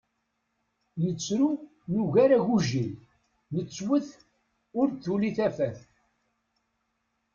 Nettru nugar agujil, nettwwet ur d-tuli tafat.